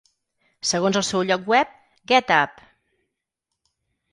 Segons el seu lloc web, GetUp!